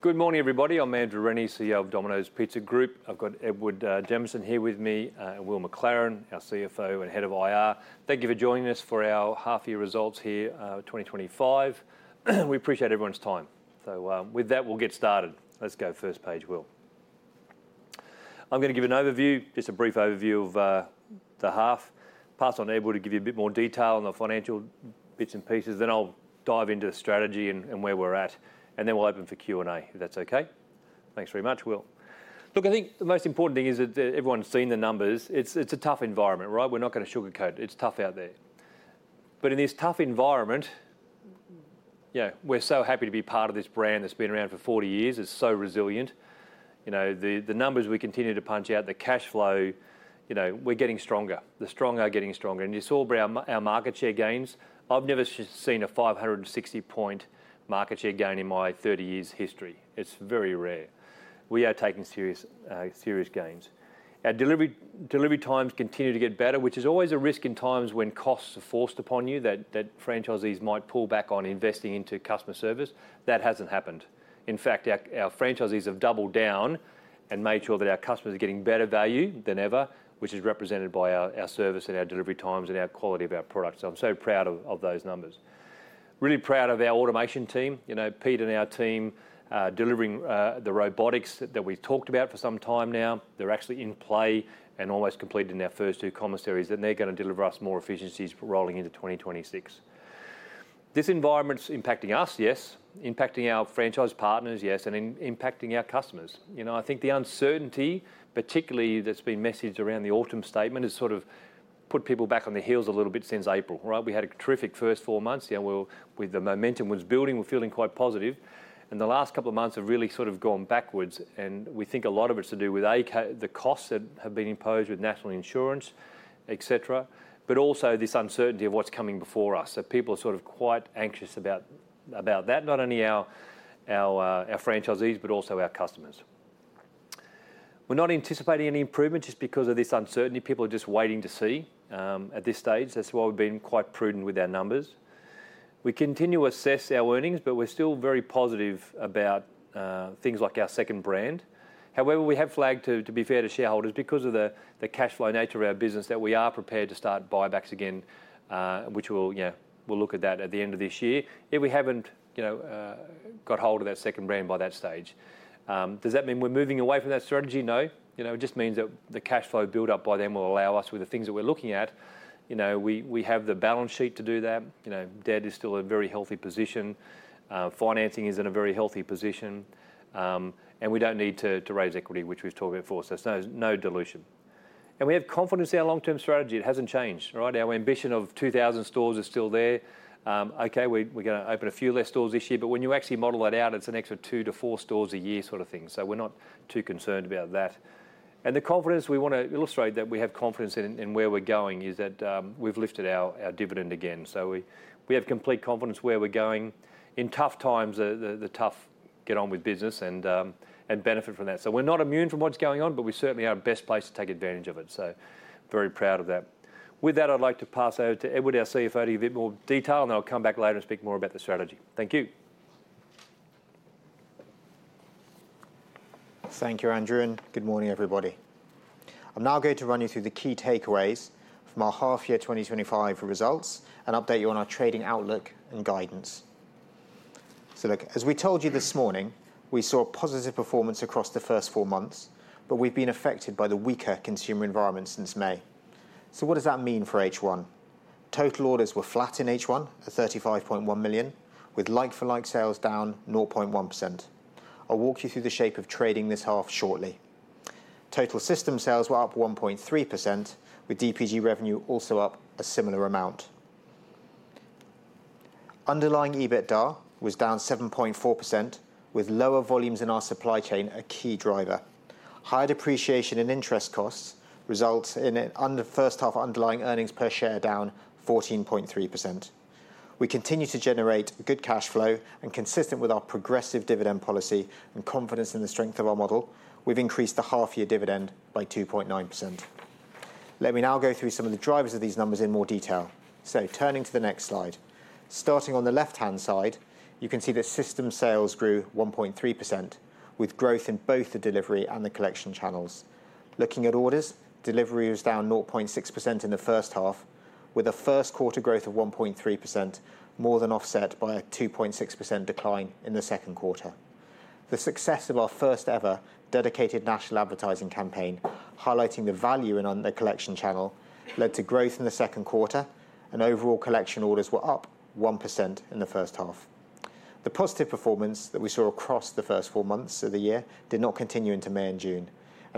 Good morning, everybody. I'm Andrew Rennie, CEO of Domino's Pizza Group. I've got Edward Jamieson here with me, and Will McLaren, our CFO and Head of IR. Thank you for joining us for our half-year results here for 2025. We appreciate everyone's time. With that, we'll get started. Let's go. First page, Will. I'm going to give an overview, just a brief overview of the half. Pass on to Edward to give you a bit more detail on the financial bits and pieces. I'll dive into the strategy and where we're at. Then we'll open for Q&A, if that's okay. Thanks very much, Will. Look, I think the most important thing is that everyone's seen the numbers. It's a tough environment, right? We're not going to sugarcoat it. It's tough out there. In this tough environment, we're so happy to be part of this brand that's been around for 40 years. It's so resilient. The numbers we continue to punch out, the cash flow, we're getting stronger. The stronger are getting stronger. It's all about our market share gains. I've never seen a 560 basis point market share gain in my 30 years' history. It's very rare. We are taking serious gains. Our delivery times continue to get better, which is always a risk in times when costs are forced upon you, that franchisees might pull back on investing into customer service. That hasn't happened. In fact, our franchisees have doubled down and made sure that our customers are getting better value than ever, which is represented by our service and our delivery times and our quality of our products. I'm so proud of those numbers. Really proud of our automation team. Pete and our team are delivering the robotics that we've talked about for some time now. They're actually in play and almost completed in our first two commissaries, and they're going to deliver us more efficiencies rolling into 2026. This environment's impacting us, yes. Impacting our franchise partners, yes, and impacting our customers. I think the uncertainty, particularly that's been messaged around the autumn statement, has sort of put people back on their heels a little bit since April. We had a terrific first four months, where the momentum was building. We're feeling quite positive. The last couple of months have really sort of gone backwards. We think a lot of it's to do with the costs that have been imposed with national insurance, et cetera, but also this uncertainty of what's coming before us. People are quite anxious about that, not only our franchisees, but also our customers. We're not anticipating any improvements just because of this uncertainty. People are just waiting to see at this stage. That's why we've been quite prudent with our numbers. We continue to assess our earnings, but we're still very positive about things like our second brand. However, we have flagged, to be fair to shareholders, because of the cash flow nature of our business, that we are prepared to start buybacks again, which we'll look at at the end of this year. Yet we haven't got hold of that second brand by that stage. Does that mean we're moving away from that strategy? No. It just means that the cash flow build-up by then will allow us with the things that we're looking at. We have the balance sheet to do that. Debt is still a very healthy position. Financing is in a very healthy position. We don't need to raise equity, which we've talked about before. There's no dilution. We have confidence in our long-term strategy. It hasn't changed. Our ambition of 2,000 stores is still there. We're going to open a few less stores this year, but when you actually model that out, it's an extra two to four stores a year sort of thing. We're not too concerned about that. The confidence we want to illustrate, that we have confidence in where we're going, is that we've lifted our dividend again. We have complete confidence where we're going. In tough times, the tough get on with business and benefit from that. We're not immune from what's going on, but we certainly are in the best place to take advantage of it. Very proud of that. With that, I'd like to pass over to Edward, our CFO, to give a bit more detail. I'll come back later and speak more about the strategy. Thank you. Thank you, Andrew. Good morning, everybody. I'm now going to run you through the key takeaways from our half-year 2025 results and update you on our trading outlook and guidance. As we told you this morning, we saw a positive performance across the first four months, but we've been affected by the weaker consumer environment since May. What does that mean for H1? Total orders were flat in H1, at 35.1 million, with like-for-like sales down 0.1%. I'll walk you through the shape of trading this half shortly. Total system sales were up 1.3%, with DPG revenue also up a similar amount. Underlying EBITDA was down 7.4%, with lower volumes in our supply chain a key driver. Higher depreciation and interest costs resulted in the first half of underlying earnings per share down 14.3%. We continue to generate good cash flow and, consistent with our progressive dividend policy and confidence in the strength of our model, we've increased the half-year dividend by 2.9%. Let me now go through some of the drivers of these numbers in more detail. Turning to the next slide. Starting on the left-hand side, you can see the system sales grew 1.3%, with growth in both the delivery and the collection channels. Looking at orders, delivery was down 0.6% in the first half, with a first-quarter growth of 1.3%, more than offset by a 2.6% decline in the second quarter. The success of our first-ever dedicated national advertising campaign, highlighting the value in the collection channel, led to growth in the second quarter, and overall collection orders were up 1% in the first half. The positive performance that we saw across the first four months of the year did not continue into May and June.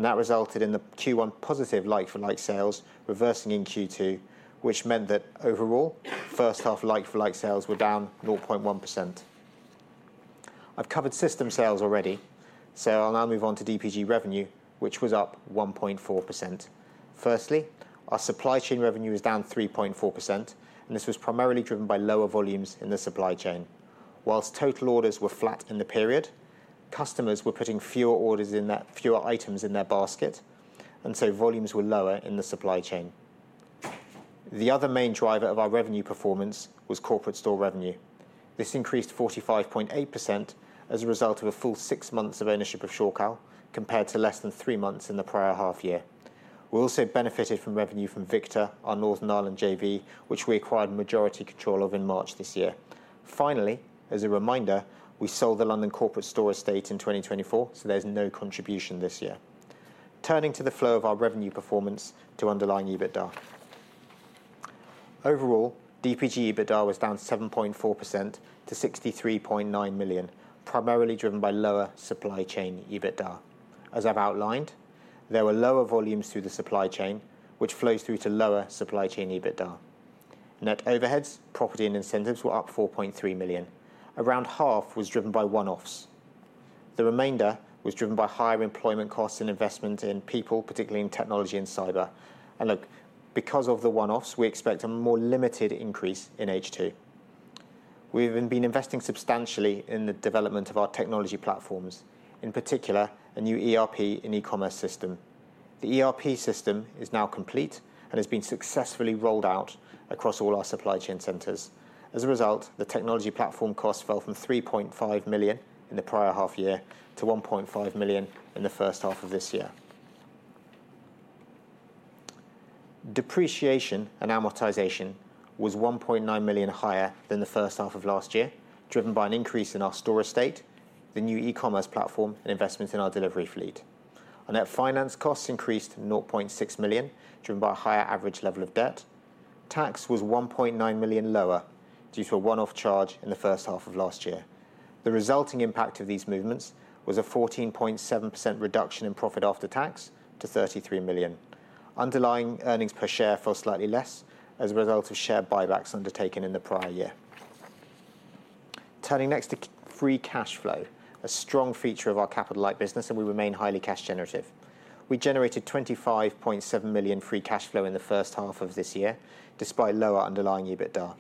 That resulted in the Q1 positive like-for-like sales reversing in Q2, which meant that overall, first half like-for-like sales were down 0.1%. I've covered system sales already. I'll now move on to DPG revenue, which was up 1.4%. Firstly, our supply chain revenue was down 3.4%, and this was primarily driven by lower volumes in the supply chain. Whilst total orders were flat in the period, customers were putting fewer items in their basket, and so volumes were lower in the supply chain. The other main driver of our revenue performance was corporate store revenue. This increased 45.8% as a result of a full six months of ownership of Shorecal compared to less than three months in the prior half year. We also benefited from revenue from Victor, our Northern Ireland JV, which we acquired majority control of in March this year. Finally, as a reminder, we sold the London corporate store estate in 2024, so there's no contribution this year. Turning to the flow of our revenue performance to underline EBITDA. Overall, DPG EBITDA was down 7.4% to 63.9 million, primarily driven by lower supply chain EBITDA. As I've outlined, there were lower volumes through the supply chain, which flows through to lower supply chain EBITDA. Net overheads, property, and incentives were up 4.3 million. Around half was driven by one-offs. The remainder was driven by higher employment costs and investment in people, particularly in technology and cyber. Because of the one-offs, we expect a more limited increase in H2. We've been investing substantially in the development of our technology platforms, in particular a new ERP and e-commerce system. The ERP system is now complete and has been successfully rolled out across all our supply chain centers. As a result, the technology platform costs fell from 3.5 million in the prior half year to 1.5 million in the first half of this year. Depreciation and amortization was 1.9 million higher than the first half of last year, driven by an increase in our store estate, the new e-commerce platform, and investments in our delivery fleet. Our net finance costs increased 0.6 million, driven by a higher average level of debt. Tax was 1.9 million lower due to a one-off charge in the first half of last year. The resulting impact of these movements was a 14.7% reduction in profit after tax to 33 million. Underlying earnings per share fell slightly less as a result of share buybacks undertaken in the prior year. Turning next to free cash flow, a strong feature of our capital-light business, and we remain highly cash generative. We generated 25.7 million free cash flow in the first half of this year, despite lower underlying EBITDA.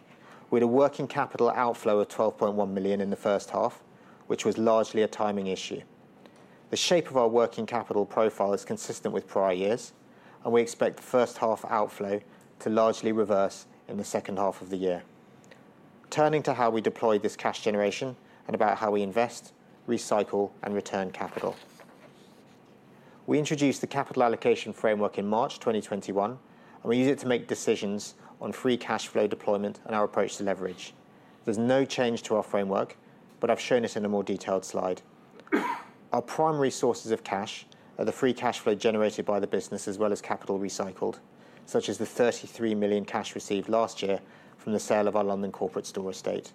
We had a working capital outflow of 12.1 million in the first half, which was largely a timing issue. The shape of our working capital profile is consistent with prior years, and we expect the first half outflow to largely reverse in the second half of the year. Turning to how we deploy this cash generation and about how we invest, recycle, and return capital. We introduced the capital allocation framework in March 2021, and we use it to make decisions on free cash flow deployment and our approach to leverage. There's no change to our framework, but I've shown it in a more detailed slide. Our primary sources of cash are the free cash flow generated by the business, as well as capital recycled, such as the 33 million cash received last year from the sale of our London corporate store estate.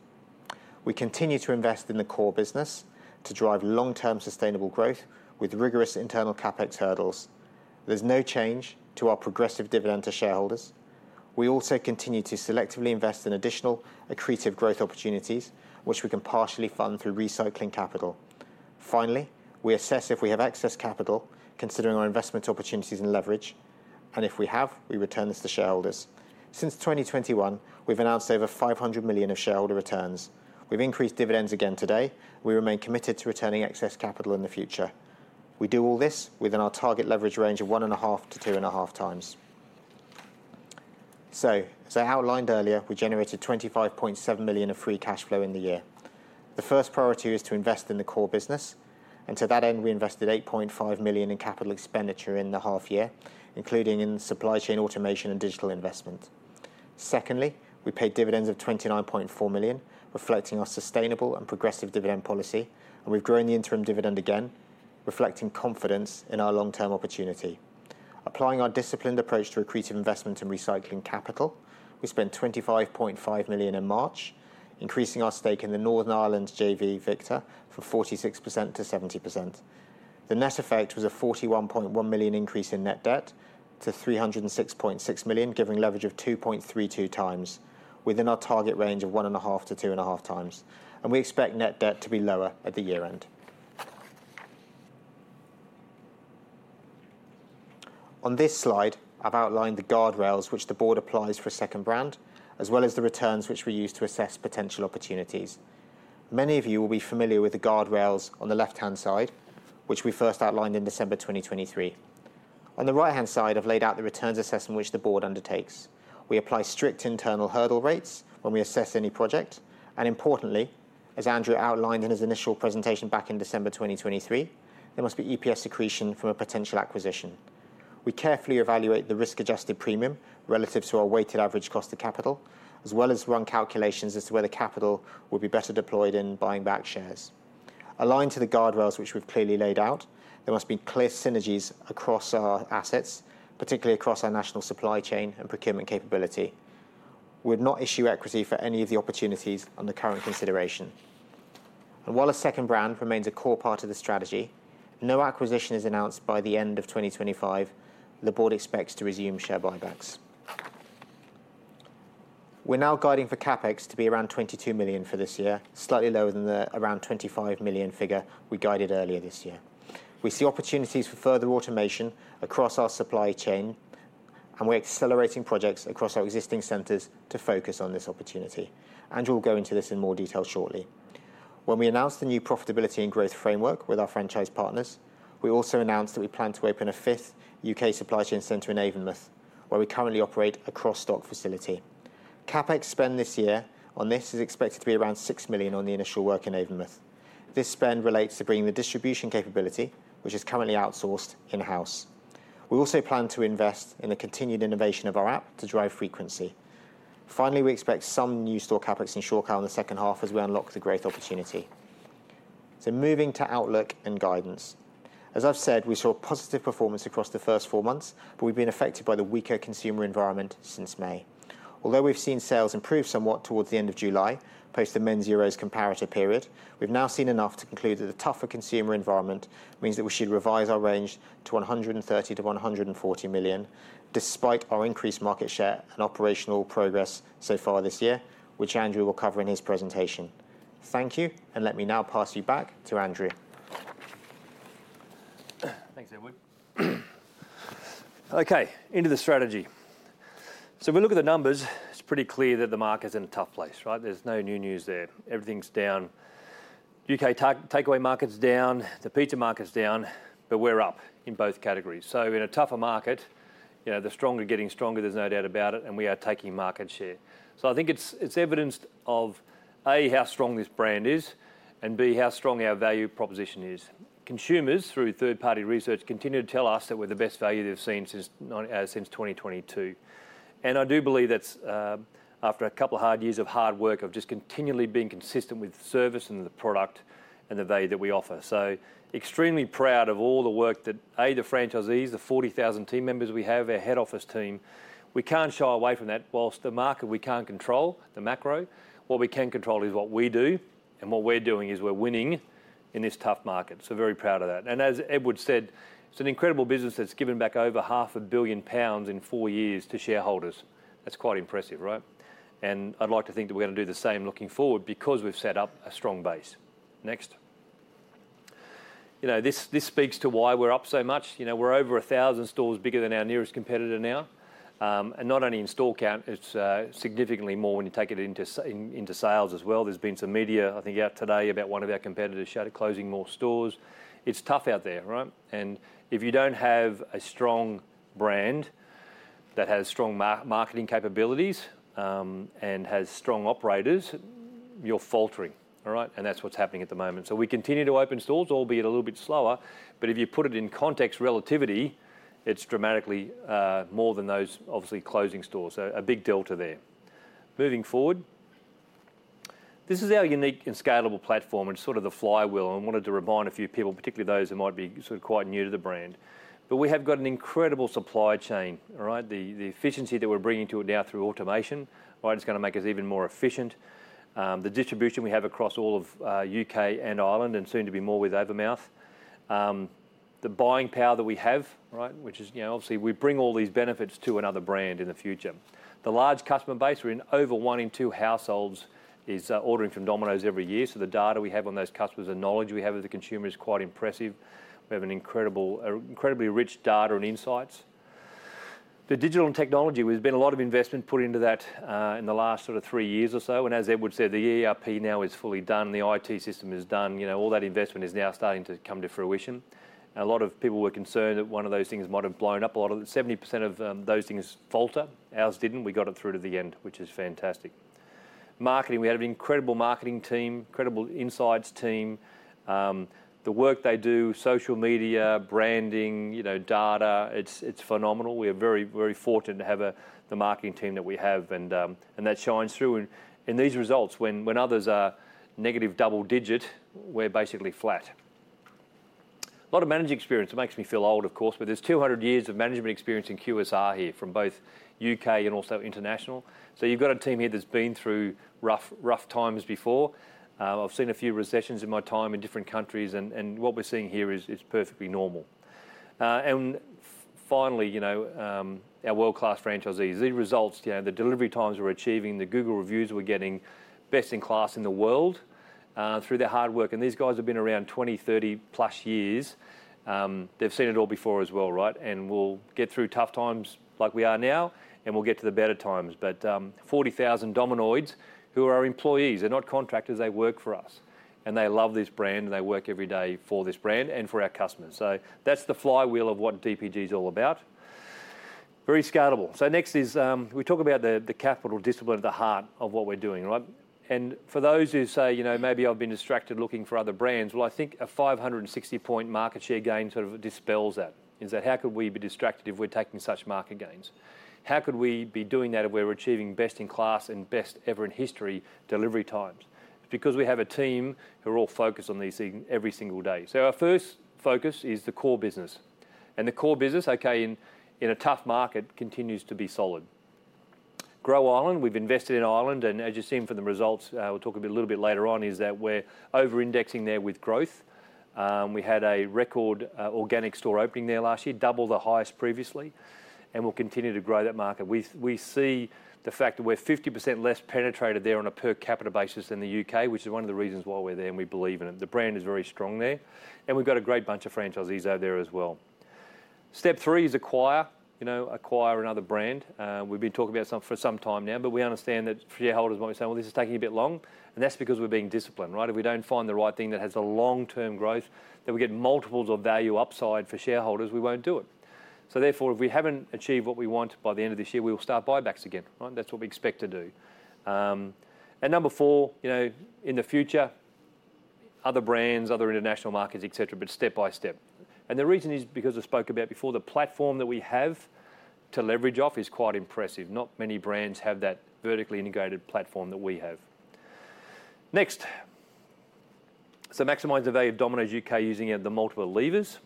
We continue to invest in the core business to drive long-term sustainable growth with rigorous internal CapEx hurdles. There's no change to our progressive dividend to shareholders. We also continue to selectively invest in additional accretive growth opportunities, which we can partially fund through recycling capital. Finally, we assess if we have excess capital, considering our investment opportunities and leverage. If we have, we return this to shareholders. Since 2021, we've announced over 500 million of shareholder returns. We've increased dividends again today. We remain committed to returning excess capital in the future. We do all this within our target leverage range of 1.5x-2.5x. As I outlined earlier, we generated 25.7 million of free cash flow in the year. The first priority was to invest in the core business. To that end, we invested 8.5 million in capital expenditure in the half year, including in supply chain automation and digital investment. We paid dividends of 29.4 million, reflecting our sustainable and progressive dividend policy. We've grown the interim dividend again, reflecting confidence in our long-term opportunity. Applying our disciplined approach to accretive investment and recycling capital, we spent 25.5 million in March, increasing our stake in the Northern Ireland JV Victor from 46% to 70%. The net effect was a 41.1 million increase in net debt to 306.6 million, giving leverage of 2.32x, within our target range of 1.5x-2.5x. We expect net debt to be lower at the year end. On this slide, I've outlined the guardrails which the board applies for a second brand, as well as the returns which we use to assess potential opportunities. Many of you will be familiar with the guardrails on the left-hand side, which we first outlined in December 2023. On the right-hand side, I've laid out the returns assessment which the board undertakes. We apply strict internal hurdle rates when we assess any project. Importantly, as Andrew outlined in his initial presentation back in December 2023, there must be EPS secretion from a potential acquisition. We carefully evaluate the risk-adjusted premium relative to our weighted average cost of capital, as well as run calculations as to whether capital would be better deployed in buying back shares. Aligned to the guardrails which we've clearly laid out, there must be clear synergies across our assets, particularly across our national supply chain and procurement capability. We'd not issue equity for any of the opportunities under current consideration. While a second brand remains a core part of the strategy, no acquisition is announced by the end of 2025. The Board expects to resume share buybacks. We're now guiding for CapEx to be around 22 million for this year, slightly lower than the around 25 million figure we guided earlier this year. We see opportunities for further automation across our supply chain, and we're accelerating projects across our existing centers to focus on this opportunity. Andrew will go into this in more detail shortly. When we announced the new profitability and growth framework with our franchise partners, we also announced that we plan to open a fifth U.K. supply chain center in Avonmouth, where we currently operate a cross-stock facility. CapEx spend this year on this is expected to be around 6 million on the initial work in Avonmouth. This spend relates to bringing the distribution capability, which is currently outsourced, in-house. We also plan to invest in the continued innovation of our app to drive frequency. Finally, we expect some new store CapEx in Shorecal in the second half as we unlock the growth opportunity. Moving to outlook and guidance, as I've said, we saw positive performance across the first four months, but we've been affected by the weaker consumer environment since May. Although we've seen sales improve somewhat towards the end of July, post the Men's Euros comparative period, we've now seen enough to conclude that the tougher consumer environment means that we should revise our range to 130 million-140 million, despite our increased market share and operational progress so far this year, which Andrew will cover in his presentation. Thank you, and let me now pass you back to Andrew. Thanks, Edward. OK, into the strategy. If we look at the numbers, it's pretty clear that the market's in a tough place, right? There's no new news there. Everything's down. U.K. takeaway market's down. The pizza market's down. We're up in both categories. In a tougher market, the stronger getting stronger, there's no doubt about it. We are taking market share. I think it's evidence of, A, how strong this brand is, and B, how strong our value proposition is. Consumers, through third-party research, continue to tell us that we're the best value they've seen since 2022. I do believe that's after a couple of hard years of hard work of just continually being consistent with service and the product and the value that we offer. Extremely proud of all the work that, A, the franchisees, the 40,000 team members we have, our head office team. We can't shy away from that. Whilst the market we can't control, the macro, what we can control is what we do. What we're doing is we're winning in this tough market. Very proud of that. As Edward said, it's an incredible business that's given back over half a billion pounds in four years to shareholders. That's quite impressive, right? I'd like to think that we're going to do the same looking forward because we've set up a strong base. Next. This speaks to why we're up so much. We're over 1,000 stores bigger than our nearest competitor now. Not only in store count, it's significantly more when you take it into sales as well. There's been some media, I think, out today about one of our competitors closing more stores. It's tough out there, right? If you don't have a strong brand that has strong marketing capabilities and has strong operators, you're faltering, all right? That's what's happening at the moment. We continue to open stores, albeit a little bit slower. If you put it in context relativity, it's dramatically more than those obviously closing stores. A big delta there. Moving forward. This is our unique and scalable platform. It's sort of the flywheel. I wanted to remind a few people, particularly those who might be sort of quite new to the brand. We have got an incredible supply chain, all right? The efficiency that we're bringing to it now through automation, it's going to make us even more efficient. The distribution we have across all of U.K. and Ireland, and soon to be more with Avonmouth. The buying power that we have, right, which is, you know, obviously, we bring all these benefits to another brand in the future. The large customer base we're in, over one in two households is ordering from Domino's every year. The data we have on those customers and knowledge we have of the consumer is quite impressive. We have an incredibly rich data and insights. The digital and technology, there's been a lot of investment put into that in the last sort of three years or so. As Edward said, the ERP now is fully done. The IT system is done. All that investment is now starting to come to fruition. A lot of people were concerned that one of those things might have blown up. A lot of 70% of those things falter. Ours didn't. We got it through to the end, which is fantastic. Marketing, we had an incredible marketing team, incredible insights team. The work they do, social media, branding, data, it's phenomenal. We are very, very fortunate to have the marketing team that we have. That shines through. In these results, when others are negative double digit, we're basically flat. A lot of managing experience. It makes me feel old, of course. There's 200 years of management experience in QSR here from both U.K. and also international. You've got a team here that's been through rough times before. I've seen a few recessions in my time in different countries. What we're seeing here is perfectly normal. Finally, our world-class franchisees, the results, the delivery times we're achieving, the Google reviews we're getting, best in class in the world through their hard work. These guys have been around 20, 30+ years. They've seen it all before as well, right? We'll get through tough times like we are now. We'll get to the better times. 40,000 Dominoids who are our employees. They're not contractors. They work for us. They love this brand. They work every day for this brand and for our customers. That's the flywheel of what DPG is all about. Very scalable. Next is we talk about the capital discipline at the heart of what we're doing, right? For those who say, you know, maybe I've been distracted looking for other brands, I think a 560-point market share gain sort of dispels that. Is that how could we be distracted if we're taking such market gains? How could we be doing that if we're achieving best in class and best ever in history delivery times? It's because we have a team who are all focused on these things every single day. Our first focus is the core business. The core business, in a tough market, continues to be solid. Grow Ireland. We've invested in Ireland, and as you've seen from the results, we'll talk a little bit later on, we're over-indexing there with growth. We had a record organic store opening there last year, double the highest previously, and we'll continue to grow that market. We see the fact that we're 50% less penetrated there on a per capita basis than the U.K., which is one of the reasons why we're there. We believe in it. The brand is very strong there, and we've got a great bunch of franchisees out there as well. Step three is acquire, you know, acquire another brand. We've been talking about it for some time now. We understand that shareholders might be saying this is taking a bit long, and that's because we're being disciplined, right? If we don't find the right thing that has the long-term growth, then we get multiples of value upside for shareholders, we won't do it. Therefore, if we haven't achieved what we want by the end of this year, we will start buybacks again, right? That's what we expect to do. Number four, in the future, other brands, other international markets, et cetera, but step by step. The reason is because I spoke about it before, the platform that we have to leverage off is quite impressive. Not many brands have that vertically integrated platform that we have. Next, maximize the value of Domino's U.K. using the multiple levers.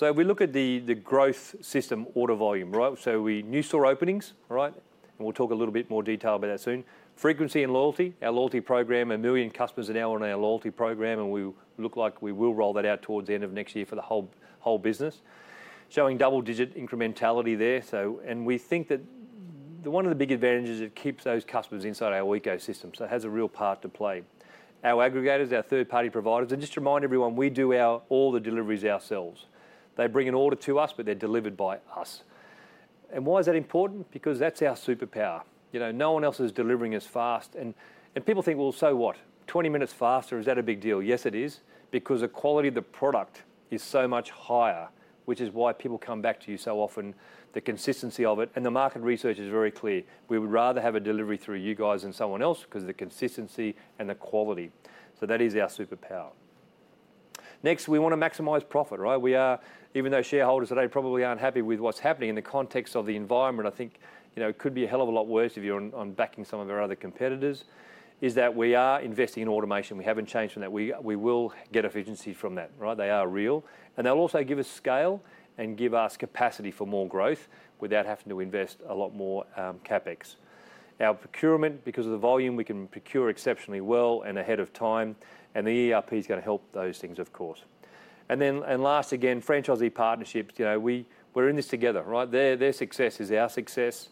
If we look at the growth system order volume, new store openings, and we'll talk a little bit more detail about that soon. Frequency and loyalty, our loyalty program, a million customers an hour on our loyalty program. We look like we will roll that out towards the end of next year for the whole business, showing double-digit incrementality there. We think that one of the big advantages is it keeps those customers inside our ecosystem, so it has a real part to play. Our aggregators, our third-party providers, and just to remind everyone, we do all the deliveries ourselves. They bring an order to us, but they're delivered by us. Why is that important? Because that's our superpower. No one else is delivering as fast. People think, so what, 20 minutes faster, is that a big deal? Yes, it is, because the quality of the product is so much higher, which is why people come back to you so often. The consistency of it, and the market research is very clear. We would rather have a delivery through you guys than someone else because of the consistency and the quality. That is our superpower. Next, we want to maximize profit, right? We are, even though shareholders today probably aren't happy with what's happening in the context of the environment, I think it could be a hell of a lot worse if you're backing some of our other competitors, is that we are investing in automation. We haven't changed from that. We will get efficiency from that, right? They are real. They'll also give us scale and give us capacity for more growth without having to invest a lot more CapEx. Our procurement, because of the volume, we can procure exceptionally well and ahead of time. The ERP is going to help those things, of course. Last again, franchisee partnerships, you know, we're in this together, right? Their success is our success.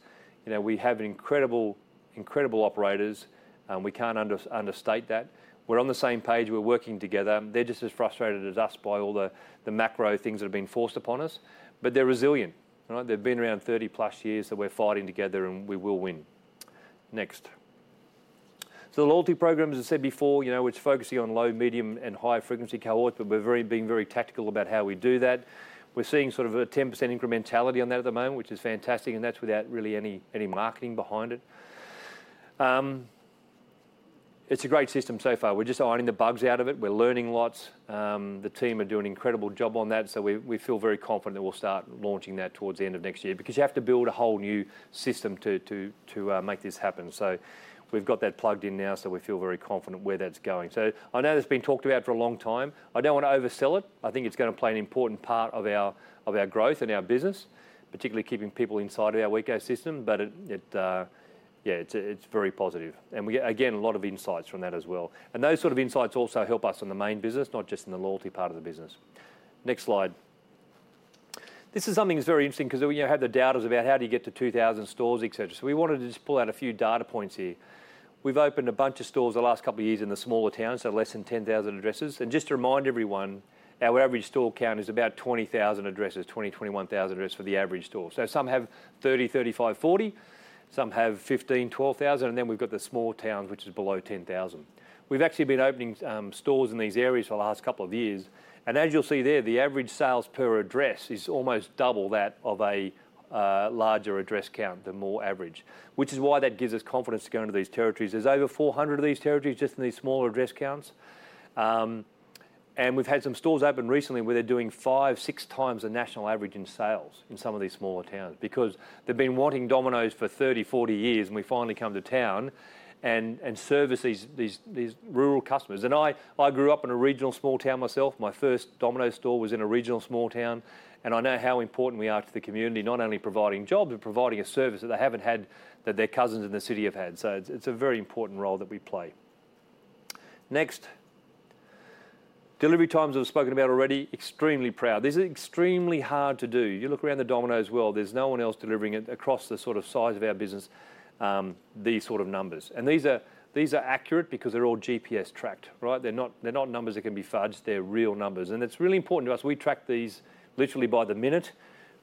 We have incredible, incredible operators. We can't understate that. We're on the same page. We're working together. They're just as frustrated as us by all the macro things that have been forced upon us. They're resilient, right? They've been around 30+ years that we're fighting together, and we will win. Next. The loyalty program, as I said before, it's focusing on low, medium, and high-frequency cohorts. We're being very tactical about how we do that. We're seeing sort of a 10% incrementality on that at the moment, which is fantastic. That's without really any marketing behind it. It's a great system so far. We're just ironing the bugs out of it. We're learning lots. The team are doing an incredible job on that. We feel very confident that we'll start launching that towards the end of next year because you have to build a whole new system to make this happen. We've got that plugged in now. We feel very confident where that's going. I know that's been talked about for a long time. I don't want to oversell it. I think it's going to play an important part of our growth and our business, particularly keeping people inside of our ecosystem. It's very positive. We get, again, a lot of insights from that as well. Those sort of insights also help us in the main business, not just in the loyalty part of the business. Next slide. This is something that's very interesting because when you have the doubters about how do you get to 2,000 stores, et cetera. We wanted to just pull out a few data points here. We've opened a bunch of stores the last couple of years in the smaller towns, so less than 10,000 addresses. Just to remind everyone, our average store count is about 20,000 addresses, 20, 21,000 addresses for the average store. Some have 30, 35, 40. Some have 15, 12,000, and then we've got the small towns, which is below 10,000. We've actually been opening stores in these areas for the last couple of years. As you'll see there, the average sales per address is almost double that of a larger address count, the more average, which is why that gives us confidence to go into these territories. There's over 400 of these territories just in these smaller address counts. We've had some stores open recently where they're doing five, six times the national average in sales in some of these smaller towns because they've been wanting Domino's for 30, 40 years, and we finally come to town and service these rural customers. I grew up in a regional small town myself. My first Domino's store was in a regional small town. I know how important we are to the community, not only providing jobs, but providing a service that they haven't had that their cousins in the city have had. It's a very important role that we play. Next. Delivery times I've spoken about already, extremely proud. These are extremely hard to do. You look around the Domino's world, there's no one else delivering it across the sort of size of our business, these sort of numbers. These are accurate because they're all GPS tracked, right? They're not numbers that can be fudged. They're real numbers. It's really important to us. We track these literally by the minute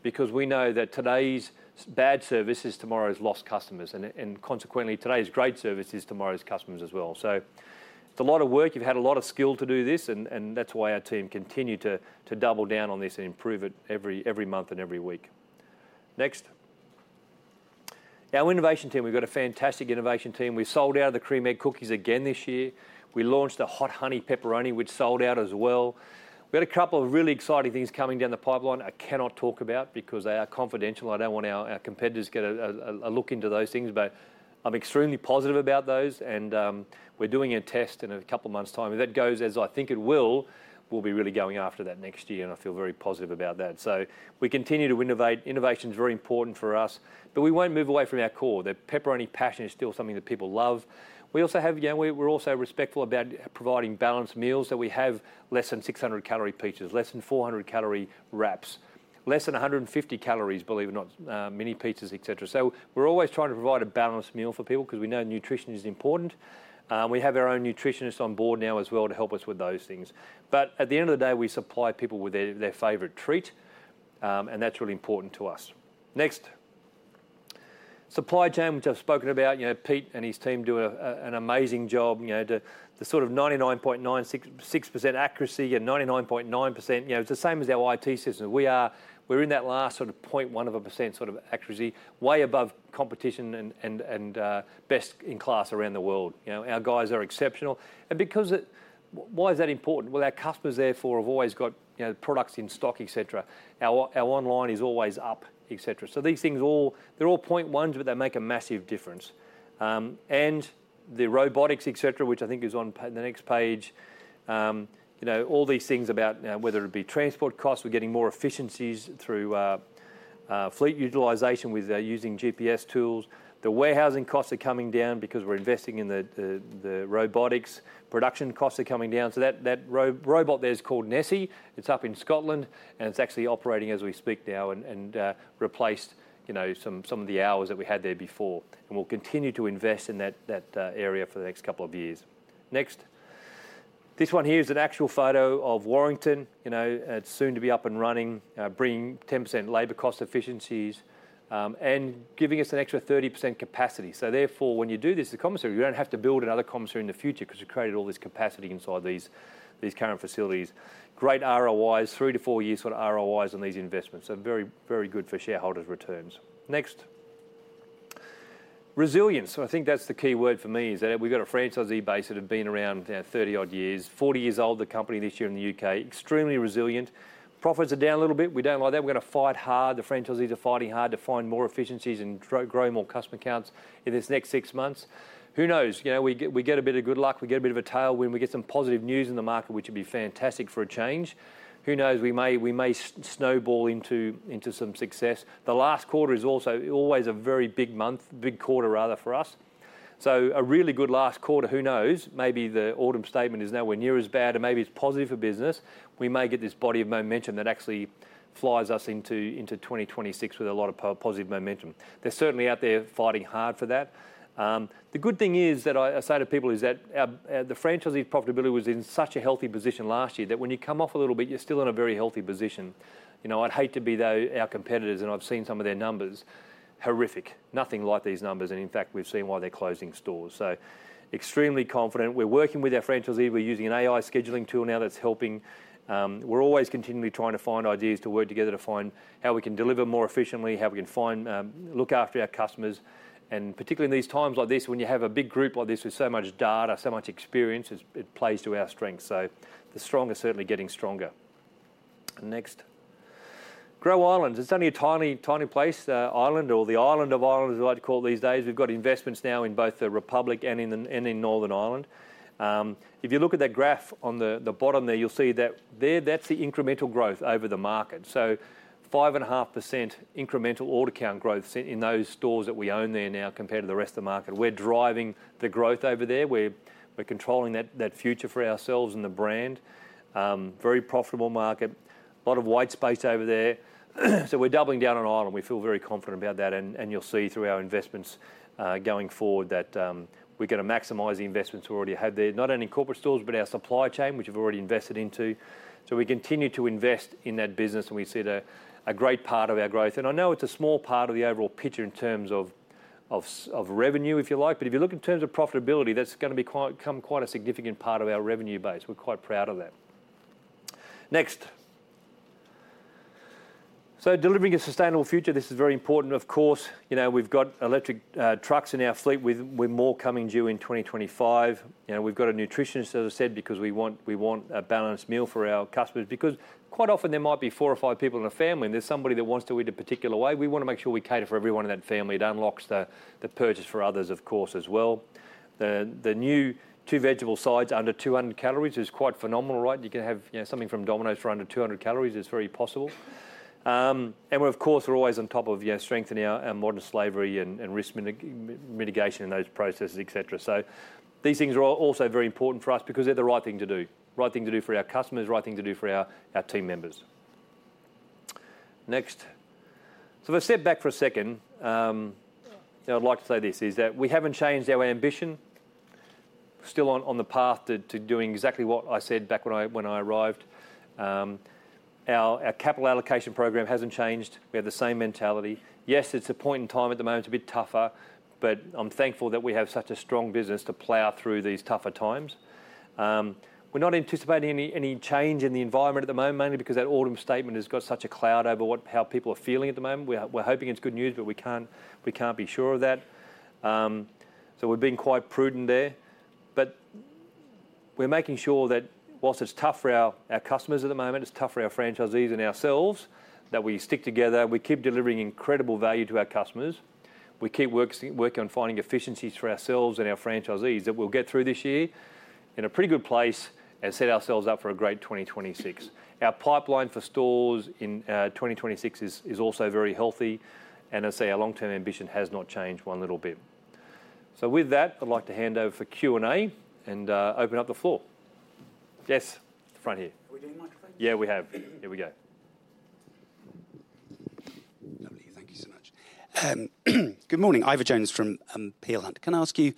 because we know that today's bad service is tomorrow's lost customers. Consequently, today's great service is tomorrow's customers as well. It's a lot of work. You've had a lot of skill to do this. That's why our team continues to double down on this and improve it every month and every week. Next. Our innovation team, we've got a fantastic innovation team. We sold out of the cream egg cookies again this year. We launched a hot honey pepperoni, which sold out as well. We had a couple of really exciting things coming down the pipeline I cannot talk about because they are confidential. I don't want our competitors to get a look into those things. I'm extremely positive about those. We're doing a test in a couple of months' time. If that goes as I think it will, we'll be really going after that next year. I feel very positive about that. We continue to innovate. Innovation is very important for us. We won't move away from our core. The pepperoni passion is still something that people love. We also have, you know, we're also respectful about providing balanced meals. We have less than 600-calorie pizzas, less than 400-calorie wraps, less than 150 calories, believe it or not, mini pizzas, et cetera. We're always trying to provide a balanced meal for people because we know nutrition is important. We have our own nutritionists on board now as well to help us with those things. At the end of the day, we supply people with their favorite treat. That's really important to us. Next. Supply chain, which I've spoken about, Pete and his team do an amazing job, to the sort of 99.96% accuracy and 99.9%, it's the same as our IT system. We are in that last sort of 0.1% sort of accuracy, way above competition and best in class around the world. Our guys are exceptional. Why is that important? Our customers therefore have always got products in stock, et cetera. Our online is always up, et cetera. These things all, they're all 0.1s, but they make a massive difference. The robotics, et cetera, which I think is on the next page, all these things about whether it be transport costs, we're getting more efficiencies through fleet utilization with using GPS tools. The warehousing costs are coming down because we're investing in the robotics. Production costs are coming down. That robot there is called Nessie. It's up in Scotland. It's actually operating as we speak now and replaced some of the hours that we had there before. We'll continue to invest in that area for the next couple of years. Next. This one here is an actual photo of Warrington. It's soon to be up and running, bringing 10% labor cost efficiencies and giving us an extra 30% capacity. Therefore, when you do this as a commissary, you don't have to build another commissary in the future because you've created all this capacity inside these current facilities. Great ROIs, three to four years' sort of ROIs on these investments. Very, very good for shareholders' returns. Next. Resilience. I think that's the key word for me, that we've got a franchisee base that have been around 30-odd years, 40 years old, the company this year in the U.K., extremely resilient. Profits are down a little bit. We don't like that. We're going to fight hard. The franchisees are fighting hard to find more efficiencies and grow more customer counts in this next six months. Who knows? We get a bit of good luck. We get a bit of a tailwind. We get some positive news in the market, which would be fantastic for a change. Who knows? We may snowball into some success. The last quarter is also always a very big month, big quarter rather, for us. A really good last quarter, who knows? Maybe the autumn statement is nowhere near as bad, and maybe it's positive for business. We may get this body of momentum that actually flies us into 2026 with a lot of positive momentum. They're certainly out there fighting hard for that. The good thing that I say to people is that the franchisee's profitability was in such a healthy position last year that when you come off a little bit, you're still in a very healthy position. I'd hate to be our competitors, and I've seen some of their numbers, horrific, nothing like these numbers. In fact, we've seen why they're closing stores. Extremely confident. We're working with our franchisee. We're using an AI scheduling tool now that's helping. We're always continually trying to find ideas to work together to find how we can deliver more efficiently, how we can look after our customers. Particularly in these times like this, when you have a big group like this with so much data, so much experience, it plays to our strengths. The strong are certainly getting stronger. Next. Grow Ireland. It's only a tiny, tiny place, Ireland, or the island of Ireland, as I like to call it these days. We've got investments now in both the Republic and in Northern Ireland. If you look at that graph on the bottom there, you'll see that there, that's the incremental growth over the market. 5.5% incremental order count growth in those stores that we own there now compared to the rest of the market. We're driving the growth over there. We're controlling that future for ourselves and the brand. Very profitable market. A lot of white space over there. We're doubling down on Ireland. We feel very confident about that. You'll see through our investments going forward that we're going to maximize the investments we already have there, not only in corporate stores, but our supply chain, which we've already invested into. We continue to invest in that business, and we see a great part of our growth. I know it's a small part of the overall picture in terms of revenue, if you like, but if you look in terms of profitability, that's going to become quite a significant part of our revenue base. We're quite proud of that. Next. Delivering a sustainable future is very important. Of course, we've got electric trucks in our fleet, with more coming due in 2025. We've got a nutritionist, as I said, because we want a balanced meal for our customers. Quite often, there might be four or five people in a family, and there's somebody that wants to eat a particular way. We want to make sure we cater for everyone in that family. It unlocks the purchase for others as well. The new two-vegetable sides under 200 calories is quite phenomenal, right? You can have something from Domino's for under 200 calories. It's very possible. We're always on top of strengthening our modern slavery and risk mitigation and those processes, et cetera. These things are also very important for us because they're the right thing to do, right thing to do for our customers, right thing to do for our team members. Next. If I step back for a second, I'd like to say this: we haven't changed our ambition. Still on the path to doing exactly what I said back when I arrived. Our capital allocation program hasn't changed. We have the same mentality. Yes, it's a point in time at the moment. It's a bit tougher. I'm thankful that we have such a strong business to plough through these tougher times. We're not anticipating any change in the environment at the moment, mainly because that autumn statement has got such a cloud over how people are feeling at the moment. We're hoping it's good news, but we can't be sure of that. We're being quite prudent there. We're making sure that whilst it's tough for our customers at the moment, it's tough for our franchisees and ourselves, that we stick together. We keep delivering incredible value to our customers. We keep working on finding efficiencies for ourselves and our franchisees that we'll get through this year in a pretty good place and set ourselves up for a great 2026. Our pipeline for stores in 2026 is also very healthy. I say our long-term ambition has not changed one little bit. With that, I'd like to hand over for Q&A and open up the floor. Yes, the front here. Are we doing my thing? Yeah, we have. Here we go. Thank you so much. Good morning. Ivor Jones from Peel Hunt. Can I ask you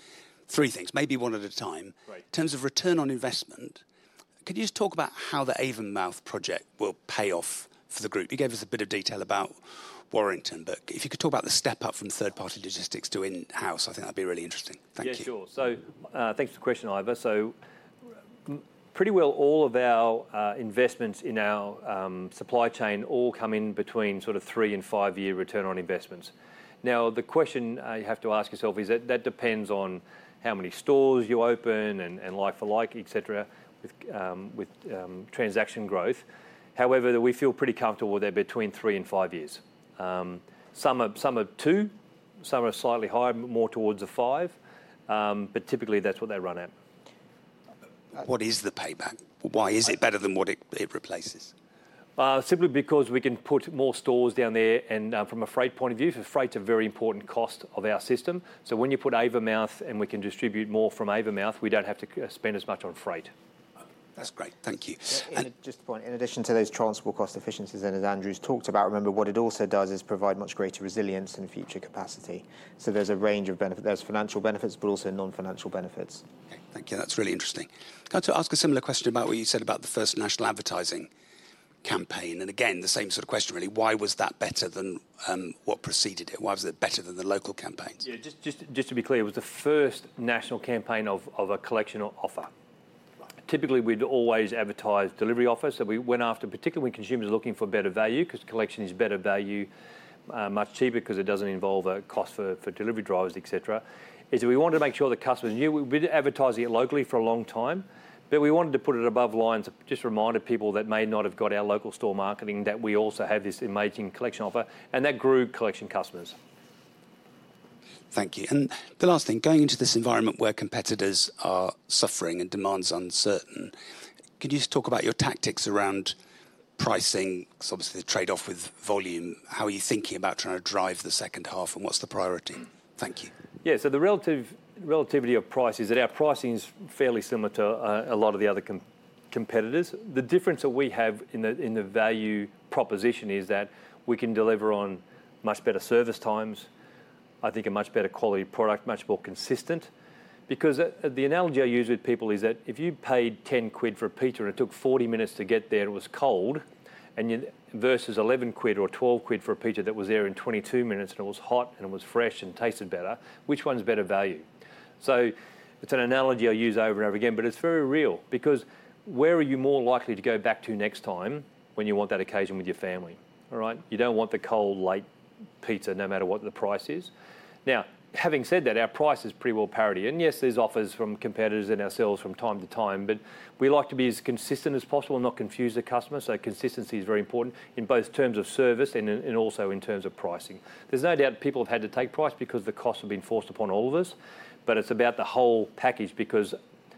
three things, maybe one at a time? Great. In terms of return on investment, could you just talk about how the Avonmouth project will pay off for the group? You gave us a bit of detail about Warrington, but if you could talk about the step up from third-party logistics to in-house, I think that'd be really interesting. Thank you. Yeah, sure. Thanks for the question, Ivor. Pretty well all of our investments in our supply chain all come in between sort of three and five-year return on investments. The question you have to ask yourself is that that depends on how many stores you open and like-for-like, et cetera, with transaction growth. However, we feel pretty comfortable with that between three and five years. Some are two. Some are slightly higher, more towards five. Typically, that's what they run at. What is the payback? Why is it better than what it replaces? Simply because we can put more stores down there. From a freight point of view, freight is a very important cost of our system. When you put Avonmouth and we can distribute more from Avonmouth, we don't have to spend as much on freight. That's great. Thank you. Just a point. In addition to those transferable cost efficiencies that Andrew's talked about, remember what it also does is provide much greater resilience and future capacity. There's a range of benefits. There are financial benefits, but also non-financial benefits. Thank you. That's really interesting. I'd like to ask a similar question about what you said about the first national advertising campaign. I have the same sort of question, really. Why was that better than what preceded it? Why was it better than the local campaigns? Yeah, just to be clear, it was the first national campaign of a collection offer. Typically, we'd always advertise delivery offers. We went after, particularly when consumers are looking for better value, because collection is better value, much cheaper, because it doesn't involve a cost for delivery drivers, et cetera. We wanted to make sure the customers knew we'd advertise it locally for a long time. We wanted to put it above lines to just remind people that may not have got our local store marketing that we also have this amazing collection offer. That grew collection customers. Thank you. The last thing, going into this environment where competitors are suffering and demand's uncertain, could you just talk about your tactics around pricing? It's obviously the trade-off with volume. How are you thinking about trying to drive the second half? What's the priority? Thank you. Yeah, so the relativity of price is that our pricing is fairly similar to a lot of the other competitors. The difference that we have in the value proposition is that we can deliver on much better service times, I think a much better quality product, much more consistent. Because the analogy I use with people is that if you paid 10 quid for a pizza and it took 40 minutes to get there, it was cold, and you versus 11 quid or 12 quid for a pizza that was there in 22 minutes and it was hot and it was fresh and tasted better, which one's better value? It's an analogy I use over and over again, but it's very real because where are you more likely to go back to next time when you want that occasion with your family? All right? You don't want the cold late pizza no matter what the price is. Now, having said that, our price is pretty well parity. Yes, there's offers from competitors and ourselves from time to time, but we like to be as consistent as possible and not confuse the customer. Consistency is very important in both terms of service and also in terms of pricing. There's no doubt people have had to take price because the costs have been forced upon all of us. It's about the whole package because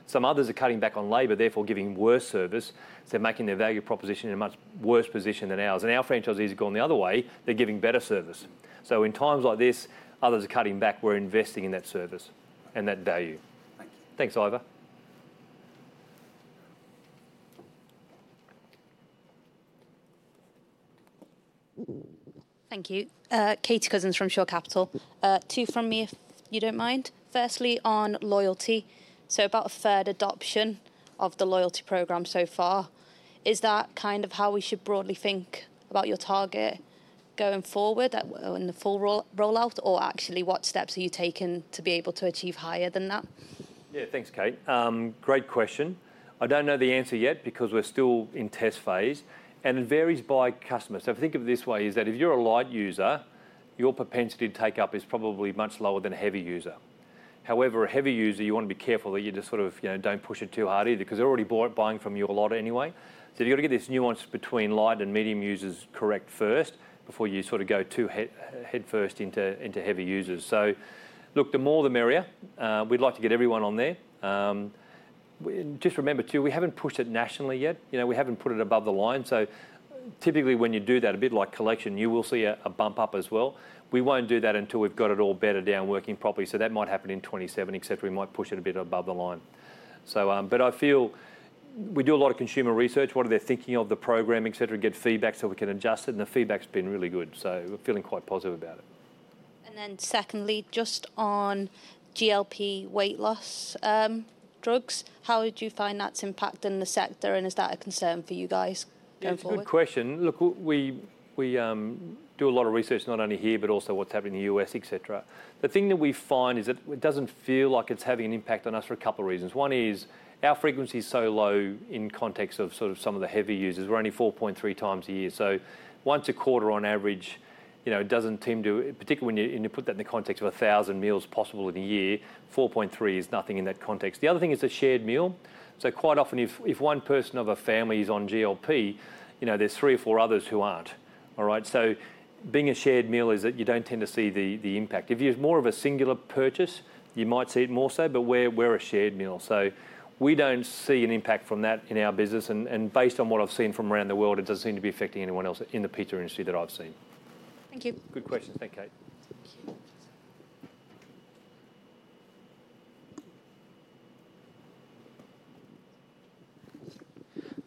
some others are cutting back on labor, therefore giving worse service. They're making their value proposition in a much worse position than ours. Our franchisees have gone the other way. They're giving better service. In times like this, others are cutting back. We're investing in that service and that value. Thank you. Thanks, Ivor. Thank you. Katie Cousins from Shore Capital. Two from me, if you don't mind. Firstly, on loyalty. About a third adoption of the loyalty program so far. Is that kind of how we should broadly think about your target going forward in the full rollout, or actually what steps are you taking to be able to achieve higher than that? Yeah, thanks, Katie. Great question. I don't know the answer yet because we're still in test phase. It varies by customer. If I think of it this way, if you're a light user, your propensity to take up is probably much lower than a heavy user. However, with a heavy user, you want to be careful that you don't push it too hard either because they're already buying from you a lot anyway. You need to get this nuance between light and medium users correct first before you go too headfirst into heavy users. The more, the merrier. We'd like to get everyone on there. Just remember, too, we haven't pushed it nationally yet. We haven't put it above the line. Typically, when you do that, a bit like collection, you will see a bump up as well. We won't do that until we've got it all bedded down, working properly. That might happen in 2027, etc. We might push it a bit above the line. I feel we do a lot of consumer research, what are they thinking of the program, etc., and get feedback so we can adjust it. The feedback's been really good. We're feeling quite positive about it. Secondly, just on GLP weight loss drugs, how would you find that's impacting the sector? Is that a concern for you guys going forward? Good question. Look, we do a lot of research not only here, but also what's happening in the U.S., et cetera. The thing that we find is that it doesn't feel like it's having an impact on us for a couple of reasons. One is our frequency is so low in context of sort of some of the heavy users. We're only 4.3x a year. So once a quarter on average, you know, it doesn't tend to, particularly when you put that in the context of 1,000 meals possible in a year, 4.3x is nothing in that context. The other thing is a shared meal. Quite often, if one person of a family is on GLP, you know, there's three or four others who aren't, all right? Being a shared meal is that you don't tend to see the impact. If you're more of a singular purchase, you might see it more so, but we're a shared meal. We don't see an impact from that in our business. Based on what I've seen from around the world, it doesn't seem to be affecting anyone else in the pizza industry that I've seen. Thank you. Good questions. Thank you. Thank you.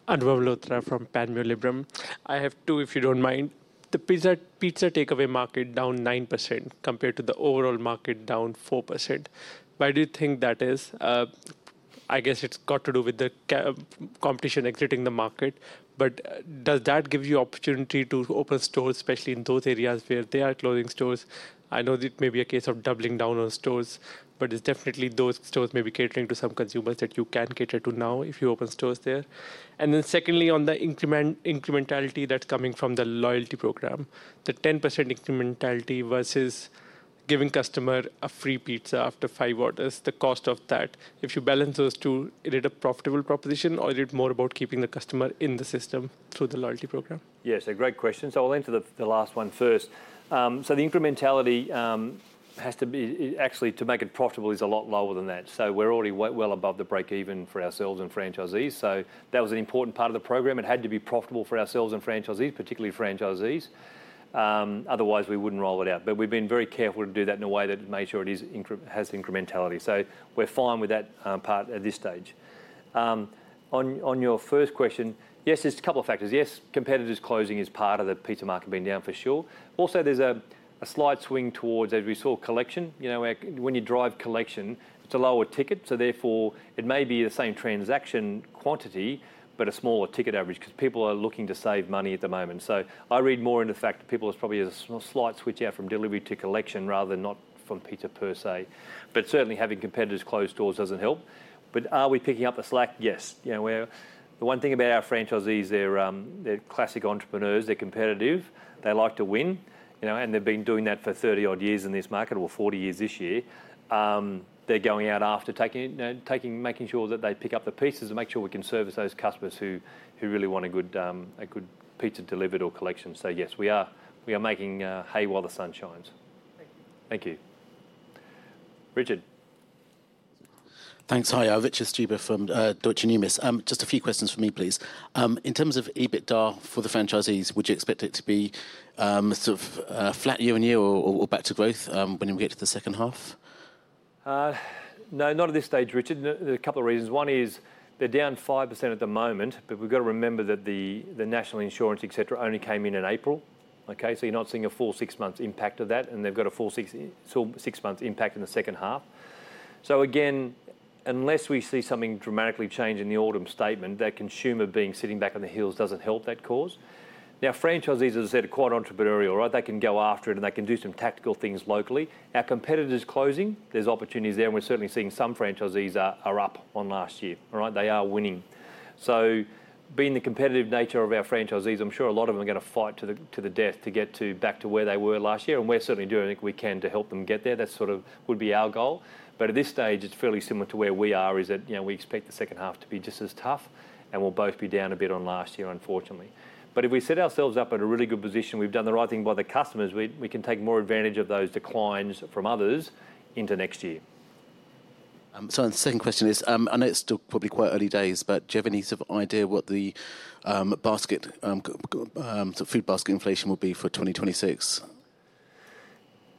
Anubhav Malhotra from Panmure Liberum, I have two, if you don't mind. The pizza takeaway market is down 9% compared to the overall market, down 4%. Why do you think that is? I guess it's got to do with the competition exiting the market. Does that give you opportunity to open stores, especially in those areas where they are closing stores? I know that it may be a case of doubling down on stores, but it's definitely those stores may be catering to some consumers that you can cater to now if you open stores there. Secondly, on the incrementality that's coming from the loyalty program, the 10% incrementality versus giving customers a free pizza after five orders, the cost of that. If you balance those two, is it a profitable proposition, or is it more about keeping the customer in the system through the loyalty program? Yes, a great question. I'll answer the last one first. The incrementality has to be actually to make it profitable is a lot lower than that. We're already well above the break even for ourselves and franchisees. That was an important part of the program. It had to be profitable for ourselves and franchisees, particularly franchisees. Otherwise, we wouldn't roll it out. We've been very careful to do that in a way that made sure it has incrementality. We're fine with that part at this stage. On your first question, yes, there's a couple of factors. Yes, competitors closing is part of the pizza market being down for sure. Also, there's a slight swing towards, as we saw, collection. When you drive collection, it's a lower ticket. Therefore, it may be the same transaction quantity, but a smaller ticket average because people are looking to save money at the moment. I read more in the fact that people are probably a slight switch out from delivery to collection rather than not from pizza per se. Certainly, having competitors close stores doesn't help. Are we picking up the slack? Yes. The one thing about our franchisees, they're classic entrepreneurs. They're competitive. They like to win. They've been doing that for 30-odd years in this market or 40 years this year. They're going out after taking, making sure that they pick up the pizzas and make sure we can service those customers who really want a good pizza delivered or collection. Yes, we are. We are making hay while the sun shines. Thank you. Thank you, Richard. Thanks, Andrew. [Just Juba] from Deutsche Numis. Just a few questions for me, please. In terms of EBITDA for the franchisees, would you expect it to be sort of flat year on year or back to growth when we get to the second half? No, not at this stage, Richard. A couple of reasons. One is they're down 5% at the moment, but we've got to remember that the national insurance, et cetera, only came in in April. OK, so you're not seeing a full six months impact of that. They've got a full six months impact in the second half. Unless we see something dramatically change in the autumn statement, that consumer being sitting back on the heels doesn't help that cause. Now, franchisees are quite entrepreneurial, right? They can go after it, and they can do some tactical things locally. Our competitors closing, there's opportunities there. We're certainly seeing some franchisees are up on last year, all right? They are winning. Being the competitive nature of our franchisees, I'm sure a lot of them are going to fight to the death to get back to where they were last year. We're certainly doing what we can to help them get there. That sort of would be our goal. At this stage, it's fairly similar to where we are, that we expect the second half to be just as tough. We'll both be down a bit on last year, unfortunately. If we set ourselves up in a really good position, we've done the right thing by the customers, we can take more advantage of those declines from others into next year. The second question is, I know it's still probably quite early days, but do you have any sort of idea what the food basket inflation will be for 2026?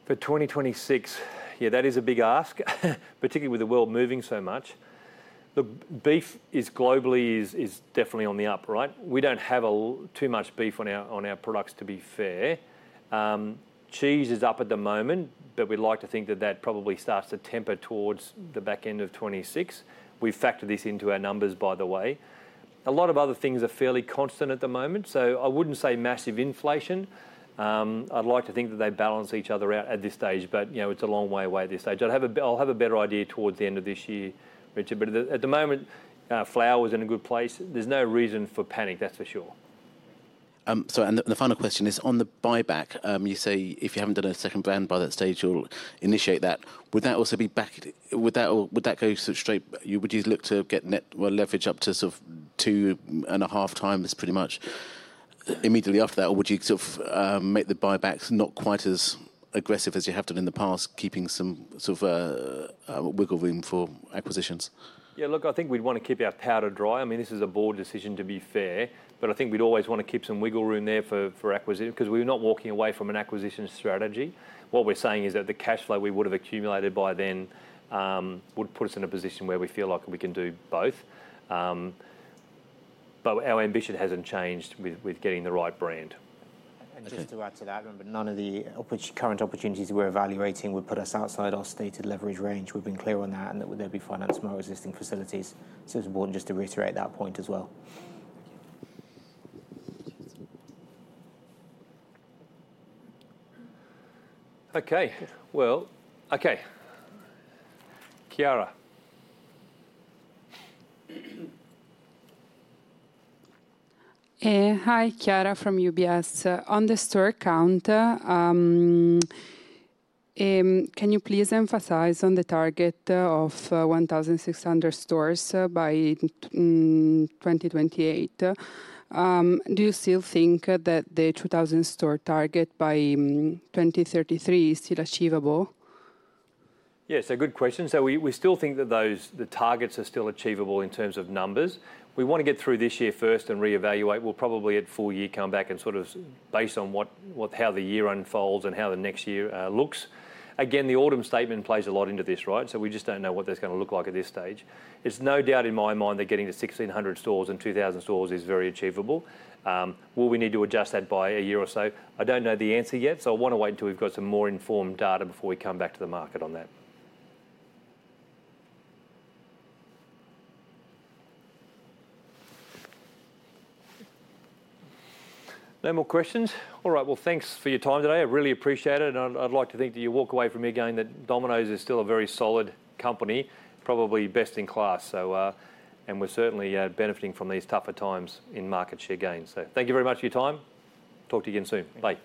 For 2026, yeah, that is a big ask, particularly with the world moving so much. Look, beef globally is definitely on the up, right? We don't have too much beef on our products, to be fair. Cheese is up at the moment, but we'd like to think that that probably starts to temper towards the back end of 2026. We've factored this into our numbers, by the way. A lot of other things are fairly constant at the moment. I wouldn't say massive inflation. I'd like to think that they balance each other out at this stage. You know, it's a long way away at this stage. I'll have a better idea towards the end of this year, Richard. At the moment, flour is in a good place. There's no reason for panic, that's for sure. On the buyback, you say if you haven't done a second brand by that stage, you'll initiate that. Would that also be backed? Would that go straight? Would you look to get net leverage up to sort of 2.5x pretty much immediately after that, or would you sort of make the buybacks not quite as aggressive as you have done in the past, keeping some sort of wiggle room for acquisitions? Yeah, look, I think we'd want to keep our powder dry. I mean, this is a board decision, to be fair. I think we'd always want to keep some wiggle room there for acquisition because we're not walking away from an acquisition strategy. What we're saying is that the cash flow we would have accumulated by then would put us in a position where we feel like we can do both. Our ambition hasn't changed with getting the right brand. Just to add to that, remember none of the current opportunities we're evaluating would put us outside our stated leverage range. We've been clear on that, and they'd be financed from more resilient facilities. I just wanted to reiterate that point as well. OK, Chiara. Hi, Chiara from UBS. On the store count, can you please emphasize on the target of 1,600 stores by 2028? Do you still think that the 2,000-store target by 2033 is still achievable? Yeah, it's a good question. We still think that the targets are still achievable in terms of numbers. We want to get through this year first and reevaluate. We'll probably at full year come back and sort of base on how the year unfolds and how the next year looks. The autumn statement plays a lot into this, right? We just don't know what that's going to look like at this stage. It's no doubt in my mind that getting to 1,600 stores and 2,000 stores is very achievable. Will we need to adjust that by a year or so? I don't know the answer yet. I want to wait until we've got some more informed data before we come back to the market on that. No more questions. All right, thanks for your time today. I really appreciate it. I'd like to think that you walk away from me going that Domino's is still a very solid company, probably best in class. We're certainly benefiting from these tougher times in market share gains. Thank you very much for your time. Talk to you again soon. Bye.